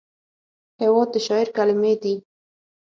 هېواد د شاعر کلمې دي.